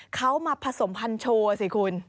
เขามาผสมพันธ์โชว์สิคุณ